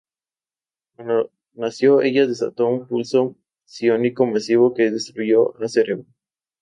Cuando nació, ella desató un pulso psiónico masivo que destruyó a Cerebro.